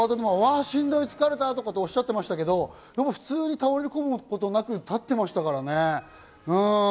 しんどい、疲れたとおっしゃっていましたけど、普通に倒れこむことなく、立っていますからね。